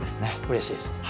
うれしいですね。